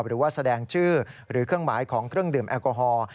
หรือว่าแสดงชื่อหรือเครื่องหมายของเครื่องดื่มแอลกอฮอล์